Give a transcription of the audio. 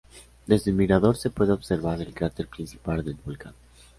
Desde el mirador, se puede observar el cráter principal del volcán.